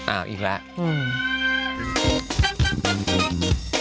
อ้าวอีกแล้ว